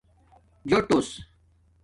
جݸٹوس